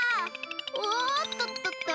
おっとっとっと。